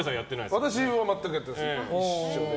私は全くやってないです。